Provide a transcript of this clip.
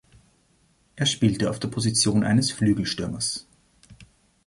Er spielte auf der Position eines Flügelstürmers.